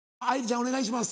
お願いします。